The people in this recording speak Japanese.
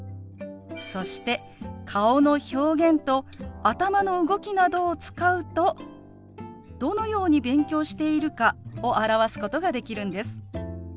そして顔の表現と頭の動きなどを使うとどのように勉強しているかを表すことができるんです。